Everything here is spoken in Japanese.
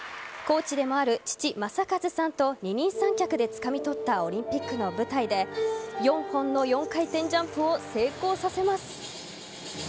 コーチでもある父・正和さんと二人三脚でつかみ取ったオリンピックの舞台で４本の４回転ジャンプを成功させます。